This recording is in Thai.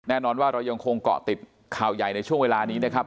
แน่นอนว่าเรายังคงเกาะติดข่าวใหญ่ในช่วงเวลานี้นะครับ